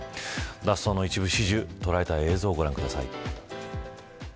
脱走の一部始終捉えた映像をご覧ください。